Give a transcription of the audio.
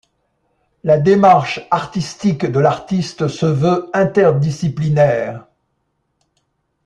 La démarche artistique de l’artiste se veut interdisciplinaire.